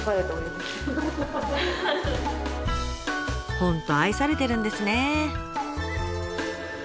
本当愛されてるんですね！